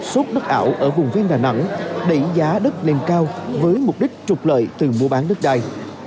sốt đất ảo ở vùng phim đà nẵng đẩy giá đất lên cao với mục đích trục lợi từ mua bán đất đai